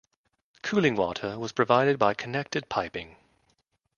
Cooling water was provided by connected piping.